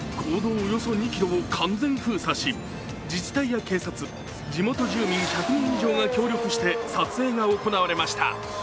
およそ２ｋｍを完全封鎖し、自治体や警察、地元住民１００人以上が協力して撮影が行われました。